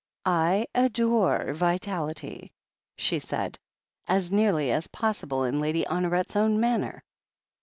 "I adore vitality," she said, as nearly as possible in Lady Honoret's own manner.